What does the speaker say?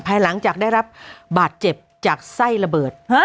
หลังจากได้รับบาดเจ็บจากไส้ระเบิด